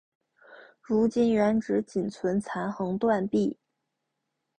如今原址仅存残垣断壁。